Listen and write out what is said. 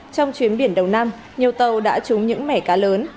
trong chuyến biển đồng nam nhiều tàu đã trúng những mẻ cá lớn